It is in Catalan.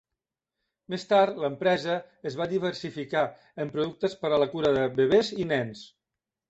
Més tard, l'empresa es va diversificar en productes per a la cura de bebès i nens.